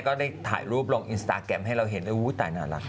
ก็ได้ถ่ายรูปลงอินสตาแกรมให้เราเห็นเลยอุ้ยตายน่ารัก